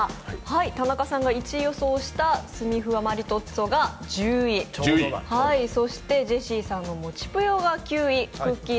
田中さんが１位予想した澄ふわマリトッツォが１０位そしてジェシーさんのもちぷよが９位くっきー！